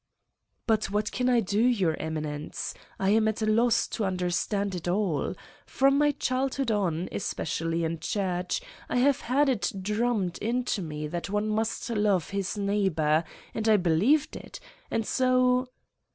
... 3 "But what can I do, Your Eminence? I am at a loss to understand it all. From my childhood on, especially in church, I have had it drummed into me that one must love his neighbor, and I believed it. And so